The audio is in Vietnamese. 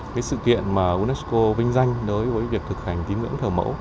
cái sự kiện mà unesco vinh danh đối với việc thực hành tín ngưỡng thở